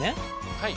はい。